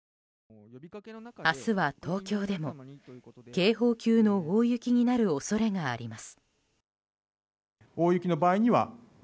明日は東京でも警報級の大雪になる恐れがあります。